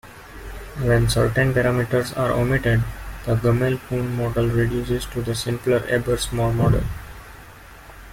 When certain parameters are omitted, the Gummel-Poon model reduces to the simpler Ebers-Moll model.